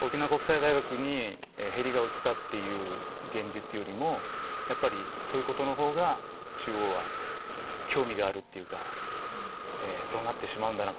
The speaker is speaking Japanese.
沖縄国際大学にヘリが落ちたっていう現実よりもやっぱりそういうことの方が中央は興味があるっていうかそうなってしまうんだな